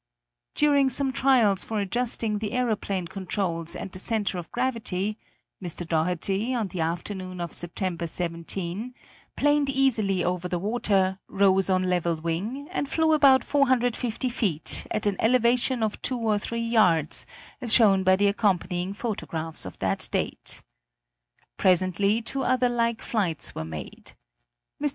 During some trials for adjusting the aeroplane controls and the center of gravity, Mr. Doherty, on the afternoon of September 17, planed easily over the water, rose on level wing, and flew about 450 feet, at an elevation of 2 or 3 yards, as shown by the accompanying photographs of that date. Presently two other like flights were made. Mr.